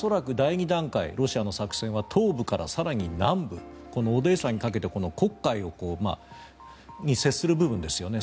これから恐らく第２段階ロシアの作戦は東部から更に南部オデーサにかけて黒海に接する部分ですよね。